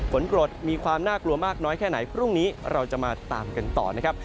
กรดมีความน่ากลัวมากน้อยแค่ไหนพรุ่งนี้เราจะมาตามกันต่อนะครับ